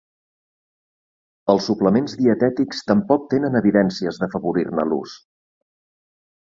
Els suplements dietètics tampoc tenen evidències d'afavorir-ne l'ús.